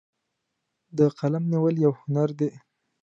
د قلم نیول یو هنر دی.